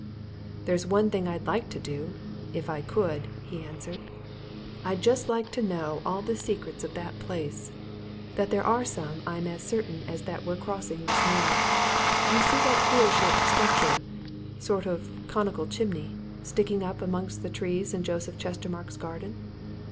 "There's one thing I'd like to do if I could," he answered. "I'd just like to know all the secrets of that place! That there are some I'm as certain as that we're crossing this moor. You see that queer shaped structure sort of conical chimney sticking up amongst the trees in Joseph Chestermarke's garden?